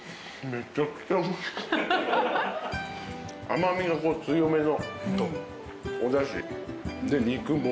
甘味が強めのおだし。